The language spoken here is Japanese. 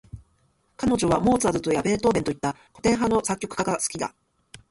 彼女はモーツァルトやベートーヴェンといった、古典派の作曲家が好きだ。